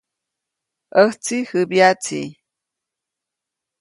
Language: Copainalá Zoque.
ʼÄjtsi jäbyaʼtsi.